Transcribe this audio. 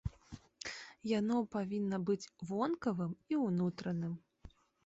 Яно павінна быць вонкавым і ўнутраным.